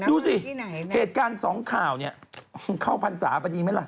ดูสิเหตุการณ์สองข่าวเนี่ยเข้าพรรษาพอดีไหมล่ะ